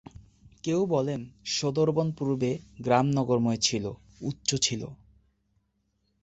কেউ বলেন, সোঁদরবন পূর্বে গ্রাম-নগরময় ছিল, উচ্চ ছিল।